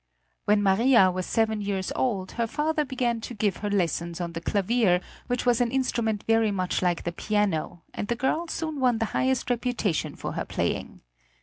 When Maria was seven years old her father began to give her lessons on the clavier, which was an instrument very much like the piano, and the girl soon won the highest reputation for her playing.